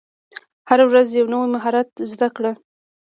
هره ورځ یو نوی مهارت زده کړه.